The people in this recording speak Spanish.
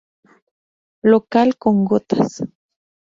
Local con gotas.